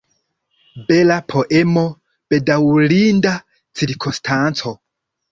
Bela poemo, bedaŭrinda cirkonstanco.